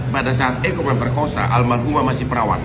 pada saat eko memperkosa almarhumah masih perawat